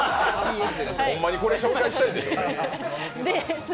ほんまにこれ紹介したいの？